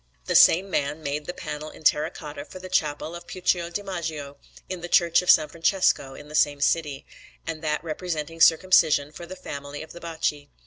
The same man made the panel in terra cotta for the Chapel of Puccio di Magio, in the Church of S. Francesco in the same city, and that representing the Circumcision for the family of the Bacci.